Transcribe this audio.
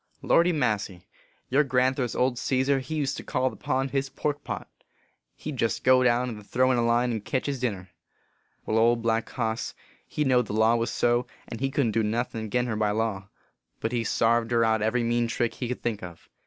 Lordy massy ! your grandthur s old Cesar, he used to call the pond his pork pot. He d jest go down and throw in a line and ketch his din ner. Wai, Old Black Hoss he know d the law was so, and he couldn t do nothin agin her by law ; but he sarved her out every mean trick he could think of.